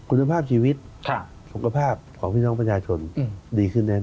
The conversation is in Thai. คุณภาพชีวิตสุขภาพของพี่น้องประชาชนดีขึ้นแน่